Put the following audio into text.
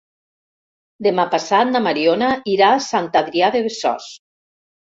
Demà passat na Mariona irà a Sant Adrià de Besòs.